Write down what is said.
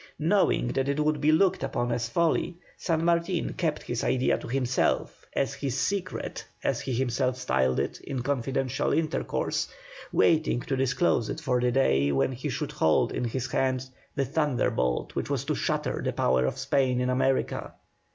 Knowing that it would be looked upon as folly, San Martin kept his idea to himself, as his secret, as he himself styled it in confidential intercourse, waiting to disclose it for the day when he should hold in his hand the thunderbolt which was to shatter the power of Spain in America.